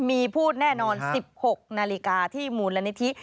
มีพูดแน่นอน๑๖นาฬิกาที่มูลนิธิ